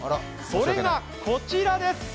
それがこちらです。